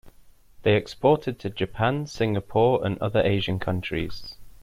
They exported to Japan, Singapore and other Asian Countries.